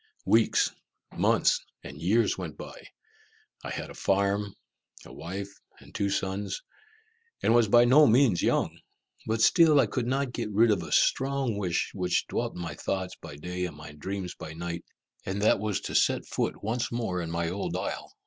Weeks, months, and years went by; I had a farm, a wife, and two sons, and was by no means young; but still I could not get rid of a strong wish which dwelt in my thoughts by day and my dreams by night, and that was to set foot once more in my old isle.